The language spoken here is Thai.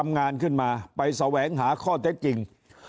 งานขึ้นมาไปแสวงหาข้อเท็จจริง